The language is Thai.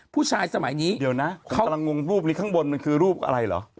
สมัยนี้เดี๋ยวนะกำลังงงรูปนี้ข้างบนมันคือรูปอะไรเหรอ